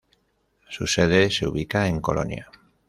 Su sede se ubica en Colonia.